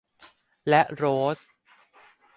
และโรส